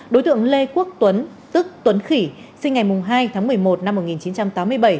đối tượng lê quốc tuấn tức tuấn khỉ sinh ngày hai tháng một mươi một năm một nghìn chín trăm tám mươi bảy